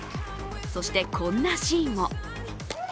そして、こんなシーンも。